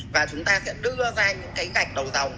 và chúng ta sẽ đưa ra những cái gạch đầu tàu